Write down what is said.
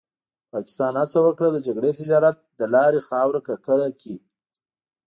پاکستان هڅه وکړه د جګړې تجارت له لارې خاوره ککړه کړي.